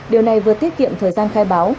điều này vừa tiết kiệm thời gian khai báo